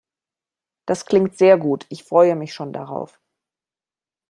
Das klingt sehr gut. Ich freue mich schon darauf.